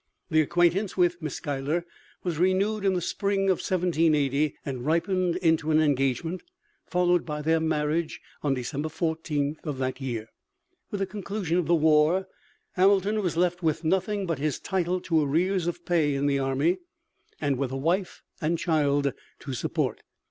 The acquaintance with Miss Schuyler was renewed in the spring of 1780 and ripened into an engagement, followed by their marriage on December 14 of that year. With the conclusion of the war, Hamilton was left with nothing but his title to arrears of pay in the army, and with a wife and child to support.